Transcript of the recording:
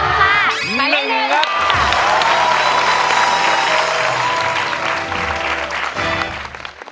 ๑นะครับ